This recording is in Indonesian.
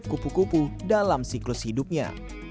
dan meneliti kubu kubu dalam siklus hidupnya